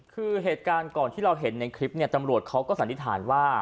คือเหตุการณ์ก่อนที่เราเห็นในคลิปเนี่ยตำรวจเขาก็สันนิษฐานว่า